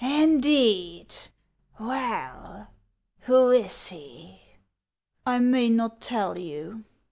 " Indeed ! Well, who is he ?"" I may not tell you."